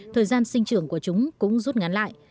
thời gian sinh trưởng của chúng cũng rút ngắn lại